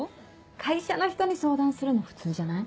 会社の人に相談するの普通じゃない？